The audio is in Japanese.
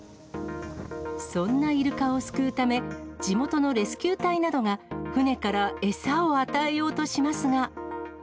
そんなイルカを救うため、地元のレスキュー隊などが船から餌を与えようとしますが。